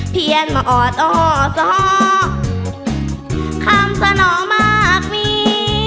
เพียนมาออดอ่ออ่ออ่ออ่ออ่อข้ามสนองมากมี